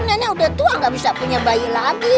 nenek udah tua nggak bisa punya bayi lagi